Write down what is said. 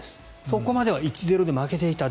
そこまでは１−０で負けていた。